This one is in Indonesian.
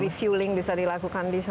refuling bisa dilakukan di sana